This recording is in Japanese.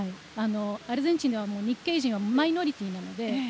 アルゼンチンでは日系人はマイノリティーなので。